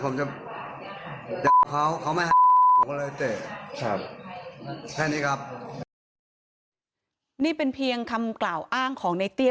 ผมจะเขาเขาไม่ครับแค่นี้ครับนี่เป็นเพียงคำกล่าวอ้างของในเตีย